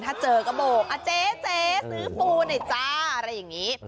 ถ้าเจอก็โบกเจ๊ซื้อปูหน่อยจ้าอะไรอย่างนี้